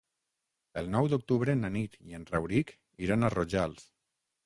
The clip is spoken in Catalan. El nou d'octubre na Nit i en Rauric iran a Rojals.